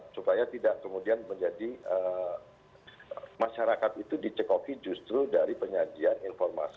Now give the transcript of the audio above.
jadi kita tidak kemudian menjadi masyarakat itu dicekoki justru dari penyajian informasi